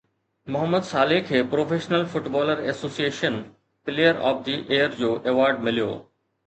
Muhammad Salah کي professional footballers association player of the year جو award مليو